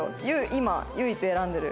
今唯一選んでる。